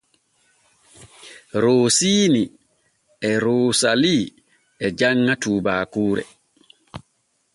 Rosiini e Roosalii e janŋa tuubaaku.